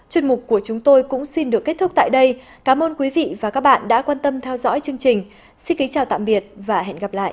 chuyên mục của chúng tôi cũng xin được kết thúc tại đây cảm ơn quý vị và các bạn đã quan tâm theo dõi chương trình xin kính chào tạm biệt và hẹn gặp lại